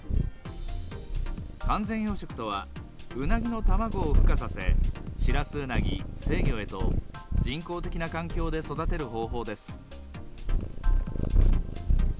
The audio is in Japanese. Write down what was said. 完全養殖とは、ウナギの卵をふ化させ、シラスウナギ、成魚へと、人工的な環境で育てる方法です。